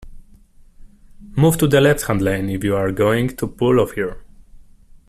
Move to the left-hand lane if you're going to pull off here